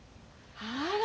あら。